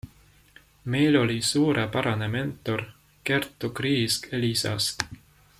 Meil oli suurepärane mentor Kertu Kriisk Elisast.